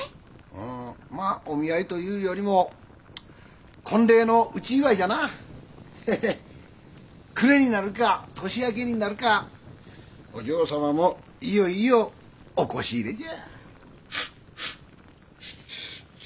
ああまあお見合いというよりも婚礼の内祝いじゃな。へへっ暮れになるか年明けになるかお嬢様もいよいよお輿入れじゃ。